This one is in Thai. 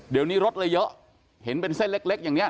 เดี๋ยวนี้รถเลยเยอะเห็นเป็นเส้นเล็กอย่างนี้